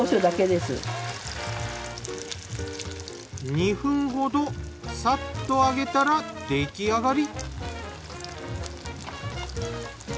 ２分ほどサッと揚げたら出来上がり。